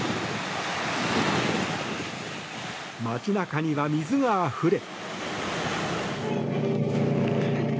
街中には水があふれ。